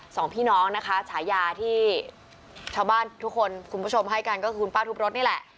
สองพี่น้องนะคะฉายาที่ชาวบ้านทุกคนคุณผู้ชมให้กันก็คือคุณป้าทุบรถนี่แหละ